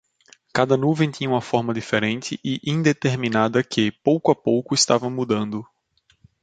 Cada nuvem tinha uma forma diferente e indeterminada que, pouco a pouco, estava mudando.